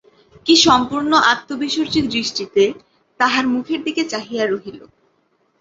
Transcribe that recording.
কী সম্পূর্ণ আত্মবিসর্জী দৃষ্টিতে তাঁহার মুখের দিকে চাহিয়া রহিল।